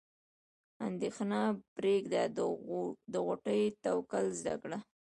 اندیښنه پرېږده د غوټۍ توکل زده کړه.